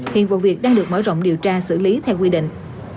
hiện vụ việc đang được mở rộng điều tra xử lý theo quy định